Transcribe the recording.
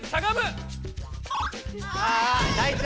あ！